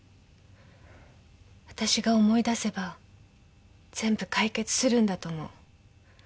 あたしが思い出せば全部解決するんだと思う。